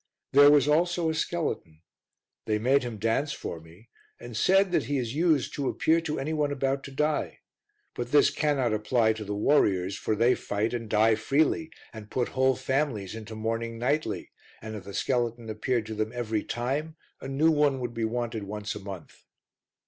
There was also a skeleton; they made him dance for me and said that he is used to appear to any one about to die; but this cannot apply to the warriors, for they fight and die freely, and put whole families into mourning nightly, and if the skeleton appeared to them every time, a new one would be wanted once a month.